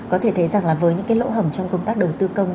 có thể thấy rằng là với những cái lỗ hầm trong công tác đầu tư công